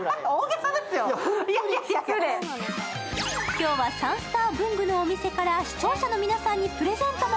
今日はさんすたーぶんぐのおみせから視聴者の皆さんにプレゼントも。